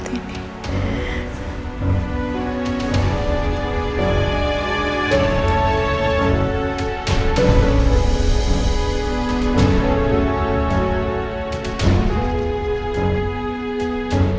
aku mau denger